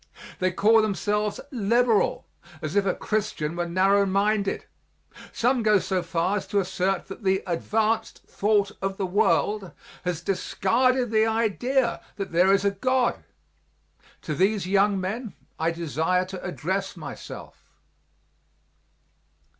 They call themselves "Liberal," as if a Christian were narrow minded. Some go so far as to assert that the "advanced thought of the world" has discarded the idea that there is a God. To these young men I desire to address myself.